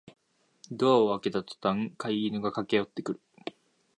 ドアを開けたとたん飼い犬が駆けよってくる